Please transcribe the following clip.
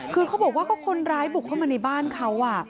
คือเขาบอกว่าก็คนร้ายบุกเข้ามาในบ้านเขา